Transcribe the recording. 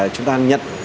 chúng ta nhận